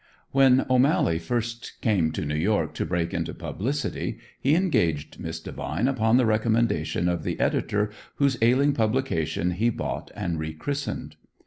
When O'Mally first came to New York to break into publicity, he engaged Miss Devine upon the recommendation of the editor whose ailing publication he bought and rechristened.